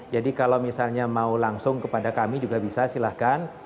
jadi kalau misalnya mau langsung kepada kami juga bisa silahkan